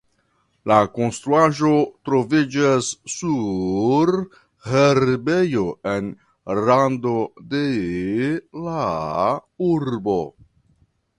La konstruaĵo troviĝas sur herbejo en rando de la urbo.